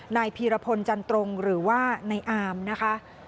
นายพีรพลจันตรงหรือว่าในอามนะคะ